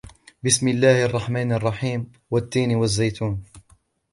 بِسْمِ اللَّهِ الرَّحْمَنِ الرَّحِيمِ وَالتِّينِ وَالزَّيْتُونِ